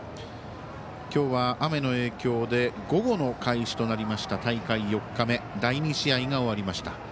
今日は雨の影響で午後の開始となりました大会４日目、第２試合が終わりました。